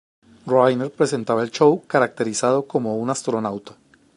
Rayner presentaba el show caracterizado como un astronauta.